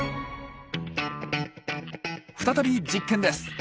再び実験です。